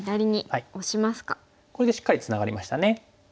これでしっかりツナがりましたね。